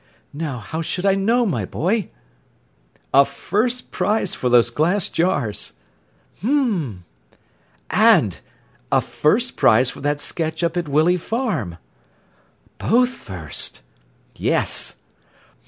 "Now, how should I know, my boy!" "A first prize for those glass jars—" "H'm!" "And a first prize for that sketch up at Willey Farm." "Both first?" "Yes."